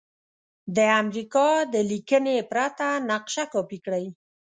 د امریکا د لیکنې پرته نقشه کاپې کړئ.